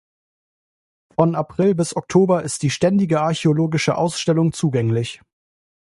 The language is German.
Von April bis Oktober ist die ständige archäologische Ausstellung zugänglich.